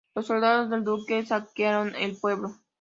Los soldados del duque saquearon el pueblo.